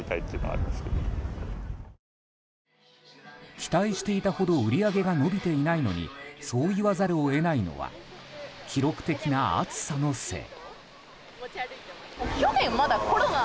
期待していたほど売り上げが伸びていないのにそう言わざるを得ないのは記録的な暑さのせい。